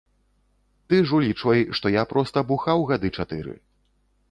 Ты ж улічвай, што я проста бухаў гады чатыры.